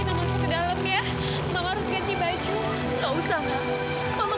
terima kasih banyak